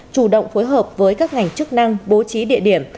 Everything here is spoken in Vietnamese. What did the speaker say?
chủ động phối hợp với các ngành chức năng bố trí địa điểm